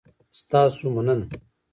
ستاسو مننه؟